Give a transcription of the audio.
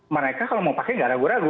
mereka kalau mau pakai nggak ragu ragu